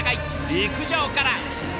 陸上から！